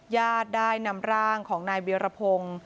ญาติได้นำร่างของนายเวียรพงศ์